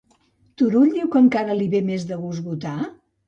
Turull diu que encara li ve més de gust votar?